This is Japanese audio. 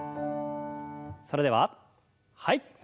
それでははい。